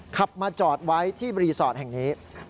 ขับมาจอดไว้ที่รีสอร์ทแห่งนี้